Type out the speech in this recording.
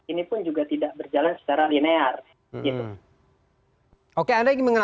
ini pun juga tidak berjalan secara linear